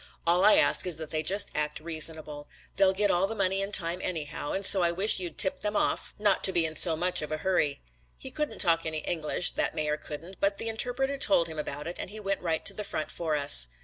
All I ask is that they just act reasonable. They'll get all the money in time anyhow, and so I wish you'd tip them off not to be in so much of a hurry.' He couldn't talk any English, that mayor couldn't, but the interpreter told him about it and he went right to the front for us.